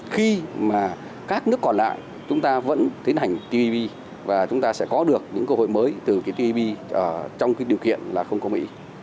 khi mà các nước còn lại chúng ta vẫn tiến hành tv và chúng ta sẽ có được những cơ hội mới từ tb trong cái điều kiện là không có mỹ